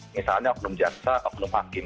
misalnya oknum jansah oknum akin